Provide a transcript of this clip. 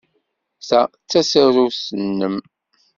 Ta d tasarut-nnem.